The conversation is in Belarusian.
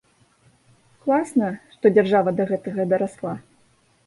Класна, што дзяржава да гэтага дарасла.